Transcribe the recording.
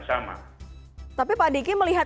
sama tapi pak diki melihat